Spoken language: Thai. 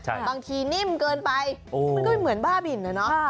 ใช่บางทีนิ่มเกินไปโอ้มันก็ไม่เหมือนบ้าบินนะเนอะค่ะ